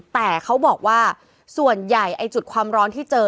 แต่เขาบอกว่าส่วนใหญ่ไอ้จุดความร้อนที่เจอ